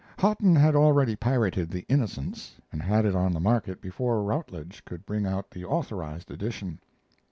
Hotten had already pirated The Innocents, and had it on the market before Routledge could bring out the authorized edition.